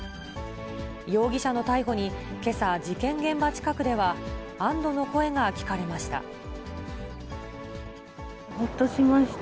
容疑者の逮捕に、けさ、事件現場近くでは安どの声が聞かれました。